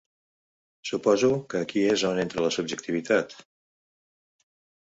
Suposo que aquí és on entra la subjectivitat?